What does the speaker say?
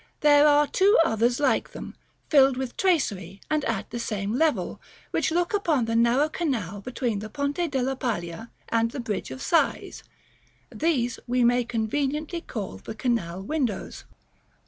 There are two others like them, filled with tracery, and at the same level, which look upon the narrow canal between the Ponte della Paglia and the Bridge of Sighs: these we may conveniently call the "Canal Windows."